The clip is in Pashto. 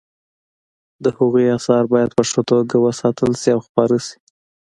د هغوی اثار باید په ښه توګه وساتل شي او خپاره شي